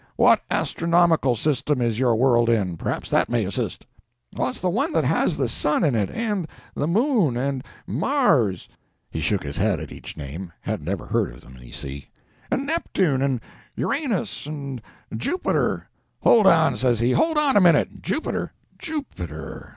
What astronomical system is your world in?—perhaps that may assist." "It's the one that has the sun in it—and the moon—and Mars"—he shook his head at each name—hadn't ever heard of them, you see—"and Neptune—and Uranus—and Jupiter—" "Hold on!" says he—"hold on a minute! Jupiter ... Jupiter